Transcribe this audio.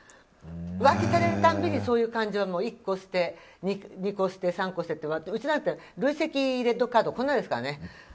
浮気される度にそういう感情は１個捨て、２個捨て３個捨てってうちなんて、累積レッドカードこんなですからね。